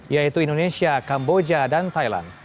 yaitu indonesia kamboja dan thailand